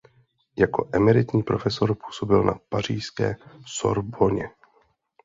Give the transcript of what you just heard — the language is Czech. Jako emeritní profesor působil na pařížské Sorbonně.